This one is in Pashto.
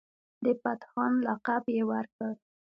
د پتهان لقب یې ورکړ.